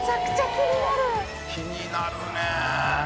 気になるね。